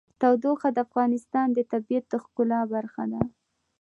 تودوخه د افغانستان د طبیعت د ښکلا برخه ده.